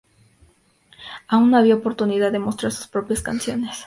Aún no había oportunidad de mostrar sus propias canciones.